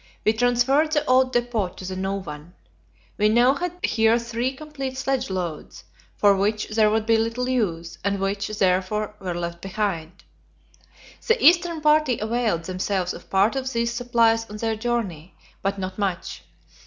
We transferred the old depot to the new one. We now had here three complete sledge loads, for which there would be little use, and which, therefore, were left behind. The eastern party availed themselves of part of these supplies on their journey, but not much.